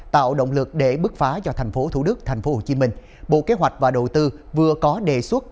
tạo động lực để bước phá cho tp thủ đức tp hcm bộ kế hoạch và đầu tư vừa có đề xuất